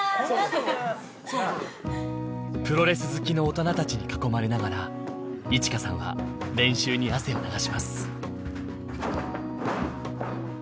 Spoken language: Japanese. プロレス好きの大人たちに囲まれながら衣千華さんは練習に汗を流します。